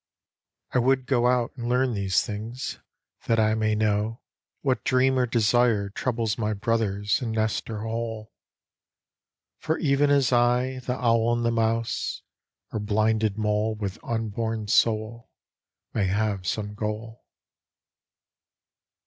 I would go out And learn these things That I may know 96 BROTHER BEASTS What dream or desire Troubles my brothers In nest or hole. For even as I The owl and the mouse, Or blinded mole With unborn soul, May have some goal.